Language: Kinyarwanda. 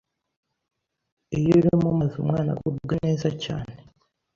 Iyo uri mu mazi umwana agubwa neza cyane